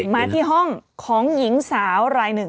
มาที่ห้องของหญิงสาว